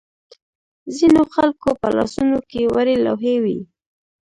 ځینو خلکو په لاسونو کې وړې لوحې وې.